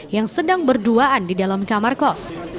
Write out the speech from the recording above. yang sedang berduaan di dalam kamar kos